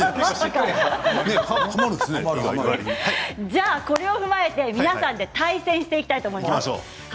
じゃあ、これを踏まえて皆さんで対戦していきたいと思います。